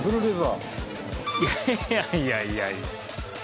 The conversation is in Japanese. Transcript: いやいやいやいや。